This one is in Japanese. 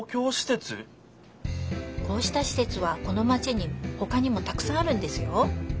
こうしたしせつはこのマチにほかにもたくさんあるんですよ。